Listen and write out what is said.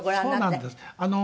そうなんです。